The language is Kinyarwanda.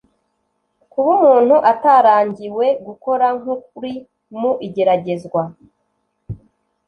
kuba umuntu atarangiwe gukora nk uri mu igeragezwa